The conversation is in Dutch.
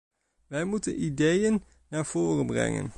Wij moeten ideeën naar voren brengen.